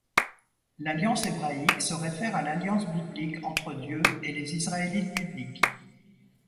L'Alliance Hébraïque se réfère à l'alliance biblique entre Dieu et les Israélites bibliques.